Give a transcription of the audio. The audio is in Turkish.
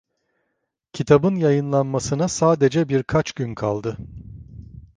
Kitabın yayınlanmasına sadece birkaç gün kaldı.